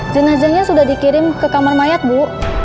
jenazahnya sudah dikirim ke kamar mayat bu